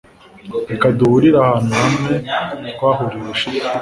reka duhurire ahantu hamwe twahuye ubushize